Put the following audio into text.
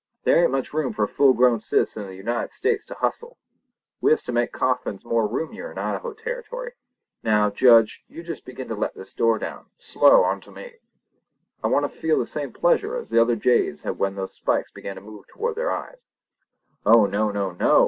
There ain't much room for a full grown citizen of the United States to hustle. We uster make our coffins more roomier in Idaho territory. Now, Judge, you jest begin to let this door down, slow, on to me. I want to feel the same pleasure as the other jays had when those spikes began to move toward their eyes!" "Oh no! no! no!"